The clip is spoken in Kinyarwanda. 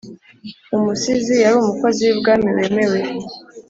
umusizi yari umukozi w'ibwami wemewe,